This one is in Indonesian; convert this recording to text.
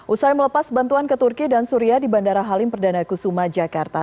usai melepas bantuan ke turki dan suria di bandara halim perdana kusuma jakarta